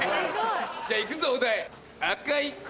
じゃあいくぞお題。